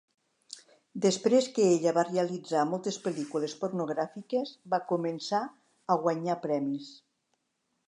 Després que ella va realitzar moltes pel·lícules pornogràfiques va començar a guanyar premis.